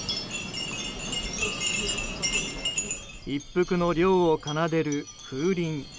一服の涼を奏でる風鈴。